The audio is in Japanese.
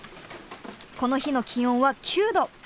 この日の気温は９度。